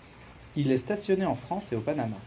Il est stationné en France et au Panama.